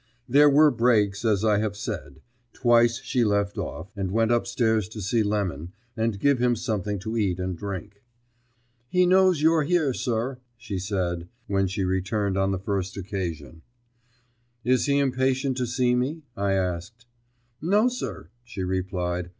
There were breaks, as I have said. Twice she left off, and went up stairs to see Lemon, and give him something to eat and drink. "He knows you're here, sir," she said, when she returned on the first occasion. "Is he impatient to see me?" I asked. "No, sir," she replied.